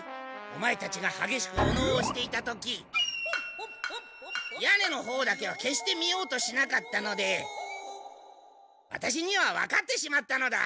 オマエたちがはげしくお能をしていた時屋根のほうだけは決して見ようとしなかったのでワタシにはわかってしまったのだ。